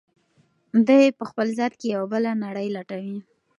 دی په خپل ذات کې یوه بله نړۍ لټوي.